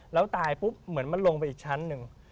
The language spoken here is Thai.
แล้วตายปุ๊บเหมือนมันลงไปอีกชั้นหนึ่ง